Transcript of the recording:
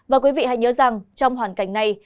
và quý vị hãy nhớ rằng trong hoàn cảnh này